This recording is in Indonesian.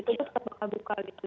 itu tetap buka buka gitu